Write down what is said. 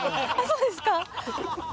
そうですか⁉